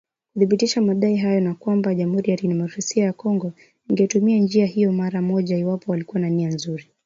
kuthibitisha madai hayo na kwamba Jamuhuri ya Demokrasia ya Kongo ingetumia njia hiyo mara moja iwapo walikuwa na nia nzuri